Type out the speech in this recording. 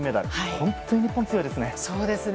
本当に日本強いですね。